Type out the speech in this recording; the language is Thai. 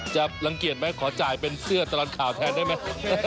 รังเกียจไหมขอจ่ายเป็นเสื้อตลอดข่าวแทนได้ไหม